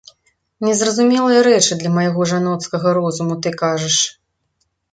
Незразумелыя рэчы для майго жаноцкага розуму ты кажаш.